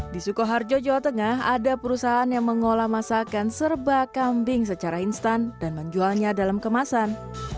di sukoharjo jawa tengah ada perusahaan yang mengolah masakan serba kambing secara instan dan menjualnya dalam kemasan